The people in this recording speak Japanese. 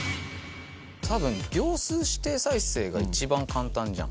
多分秒数指定再生が一番簡単じゃん。